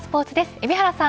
海老原さん